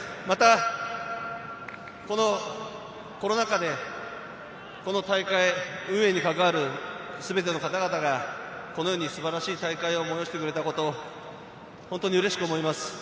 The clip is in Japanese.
また、このコロナ禍で、この大会、運命に関わる全ての方々がこのように素晴らしい大会を催してくれたこと、本当にうれしく思います。